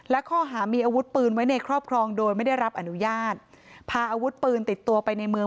และข้อหามีอาวุธปืนไว้ในครอบครองโดยไม่ได้รับอนุญาตพาอาวุธปืนติดตัวไปในเมือง